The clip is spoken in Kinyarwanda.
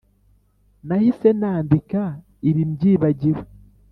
Nahise nandika ibi mbyibagiwe